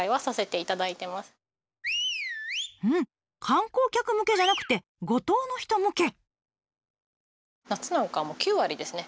観光客向けじゃなくて五島の人向け？